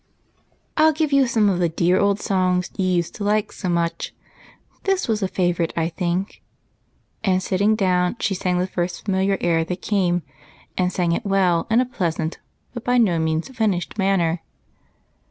"I'll give you some of the dear old songs you used to like so much. This was a favorite, I think," and sitting down she sang the first familiar air that came, and sang it well in a pleasant, but by no means finished, manner.